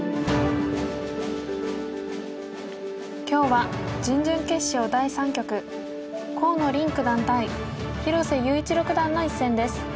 今日は準々決勝第３局河野臨九段対広瀬優一六段の一戦です。